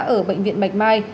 ở bệnh viện bạch mai